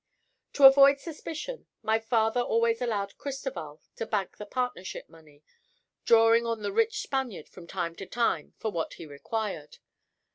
"To avoid suspicion, my father always allowed Cristoval to bank the partnership money, drawing on the rich Spaniard from time to time for what he required.